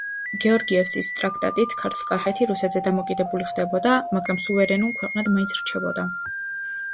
გეორგიევსკის ტრაქტატით ქართლ-კახეთი რუსეთზე დამოკიდებული ხდებოდა, მაგრამ სუვერენულ ქვეყნად მაინც რჩებოდა.